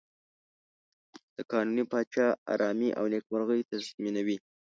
د قانوني پاچا آرامي او نېکمرغي تضمینوي.